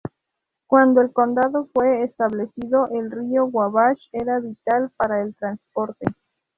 Cuando el condado fue establecido, el río Wabash era vital para el transporte.